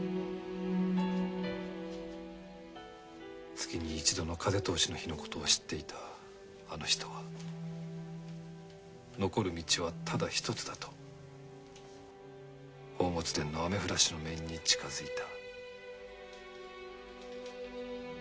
月に一度の風通しの日のことを知っていたあの人は残る道はただ一つだと宝物殿の雨降らしの面に近づいた。